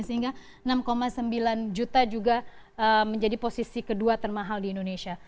sehingga enam sembilan juta juga menjadi posisi kedua termahal di indonesia